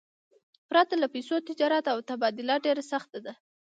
پرته له پیسو، تجارت او تبادله ډېره سخته ده.